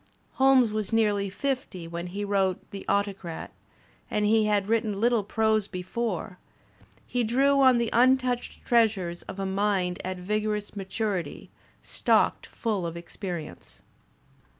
Holmes was nearly fifty when he wrote "The Autocrat" and he had written Uttle prose before; he drew on the untouched treasures of a mind at vigorous maturity, stocked full of experience.